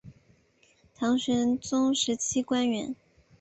唐玄宗时期官员。